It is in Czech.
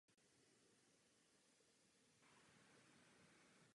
Spolu s chrámem byla vystavena i budova konventu a celý klášter prošel rekonstrukcí.